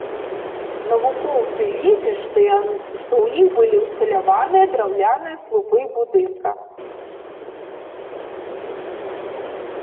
Навукоўцы лічаць, што ў іх былі ўсталяваныя драўляныя слупы будынка.